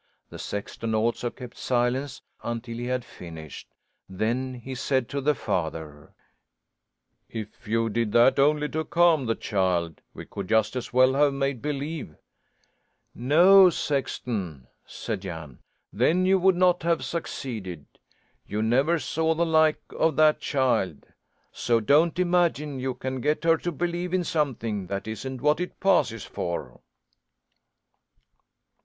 The sexton also kept silence until he had finished; then he said to the father: "If you did that only to calm the child, we could just as well have made believe " "No, Sexton," said Jan, "then you would not have succeeded. You never saw the like of that child! So don't imagine you can get her to believe in something that isn't what it passes for."